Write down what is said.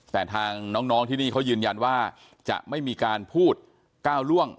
แต่ทางน้องที่นี่เขายืนยันว่าจะไม่มีการพูดก้าวล่วง